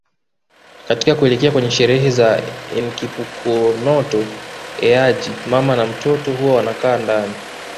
Katika kuelekea kwenye sherehe za Enkipukonoto Eaji mama na mtoto huwa wanakaa ndani